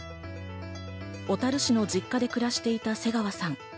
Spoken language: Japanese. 小樽市の実家で暮らしていた瀬川さん。